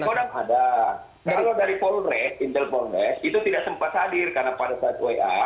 kodam ada kalau dari polres intel polres itu tidak sempat hadir karena pada saat wa